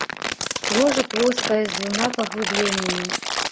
Ложа плоскае з дзвюма паглыбленнямі.